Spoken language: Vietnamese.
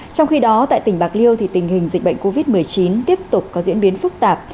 trong khi đó tại tỉnh bạc liêu thì tình hình dịch bệnh covid một mươi chín tiếp tục có diễn biến phức tạp